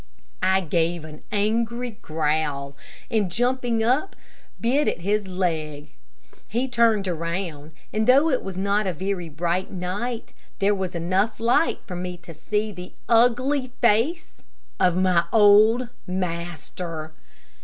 I gave an angry growl, and jumping up, bit at his leg. He turned around, and though it was not a very bright night, there was light enough for me to see the ugly face of my old master.